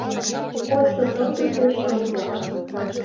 — Кодшо тылзысе счёт-влак